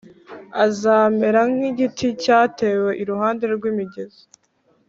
azamera nk igiti cyatewe iruhande rw imigezi.